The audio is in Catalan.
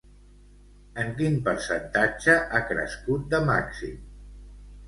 En quin percentatge ha crescut de màxim?